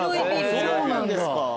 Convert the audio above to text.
そうなんですか。